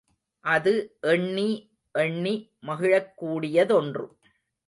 அது எண்ணி, எண்ணி மகிழக் கூடியதொன்று.